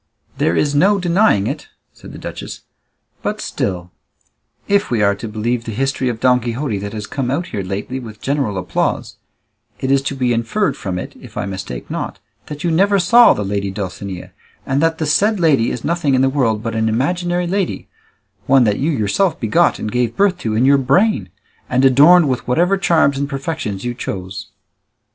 "There is no denying it," said the duchess; "but still, if we are to believe the history of Don Quixote that has come out here lately with general applause, it is to be inferred from it, if I mistake not, that you never saw the lady Dulcinea, and that the said lady is nothing in the world but an imaginary lady, one that you yourself begot and gave birth to in your brain, and adorned with whatever charms and perfections you chose."